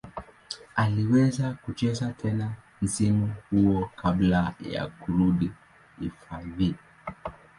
Aliweza kucheza tena msimu huo kabla ya kurudi hifadhi.